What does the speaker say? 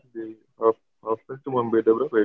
di off test cuma beda berapa ya